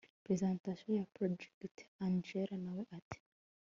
presentation ya projects angella nawe ati